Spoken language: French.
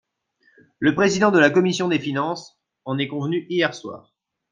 Le président de la commission des finances en est convenu hier soir.